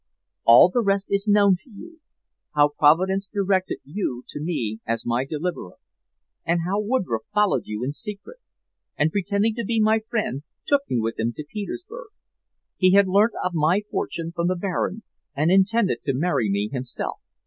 "All the rest is known to you how Providence directed you to me as my deliverer, and how Woodroffe followed you in secret, and pretending to be my friend took me with him to Petersburg. He had learnt of my fortune from the Baron, and intended to marry me himself.